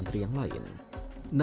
tahlilan itu biasa